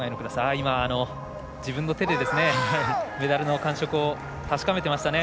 今、自分の手でメダルの感触を確かめていましたね。